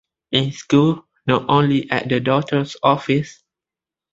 In school, not only at the doctor's office.